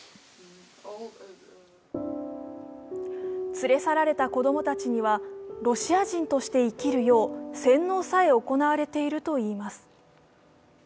連れ去られた子供たちにはロシア人として生きるよう、洗脳さえ行われているといいます。